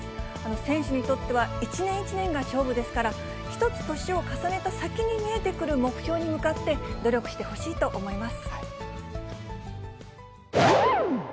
選手にとっては一年一年が勝負ですから、一つ年を重ねた先に見えてくる目標に向かって、努力してほしいと思います。